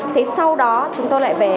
thế sau đó chúng tôi lại